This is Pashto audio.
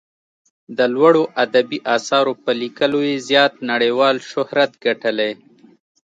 د لوړو ادبي اثارو په لیکلو یې زیات نړیوال شهرت ګټلی.